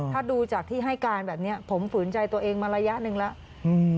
ถ้าดูจากที่ให้การแบบนี้ผมฝืนใจตัวเองมาระยะหนึ่งแล้ว